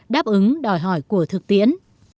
đáp ứng đòi hỏi của thực tiễn